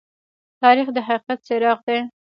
تاریخ د حقیقت څراغ دى.